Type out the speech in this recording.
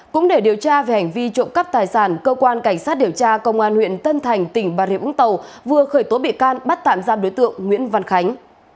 cũng để điều tra về hành vi trộm cắp tài sản cơ quan cảnh sát hiểu tra công an tp hcm vừa khởi tố bị can bắt tạm giam đối tượng nguyễn văn khánh